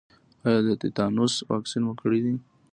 ایا د تیتانوس واکسین مو کړی دی؟